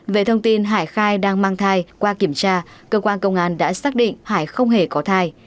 về thông tin hải khai đang mang thai qua kiểm tra cơ quan công an đã xác định hải không hề có thai